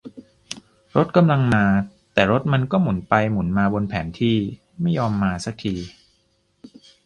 รถกำลังมา แต่รถมันก็หมุนไปหมุนมาบนแผนที่ ไม่ยอมมาสักที